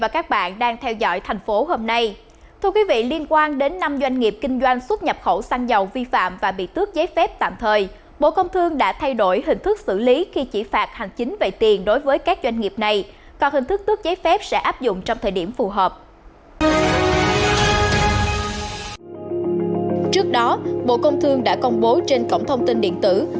các bạn hãy đăng ký kênh để ủng hộ kênh của chúng mình nhé